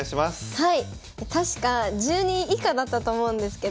はい。